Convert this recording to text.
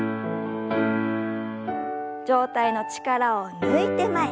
上体の力を抜いて前。